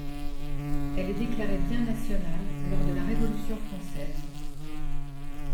Elle est déclarée bien national lors de la Révolution française.